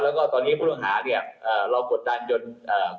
แล้วก็ตอนนี้ผู้ต้องหาเนี่ยเอ่อเรากดดันจนเอ่อ